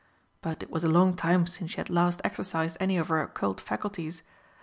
But it was a long time since she had last exercised any of her occult faculties.